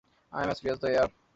I am as free as the air.